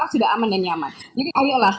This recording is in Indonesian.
sudah aman dan nyaman jadi ayolah